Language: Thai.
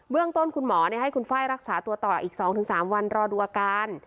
ต้นคุณหมอให้คุณไฟล์รักษาตัวต่ออีก๒๓วันรอดูอาการ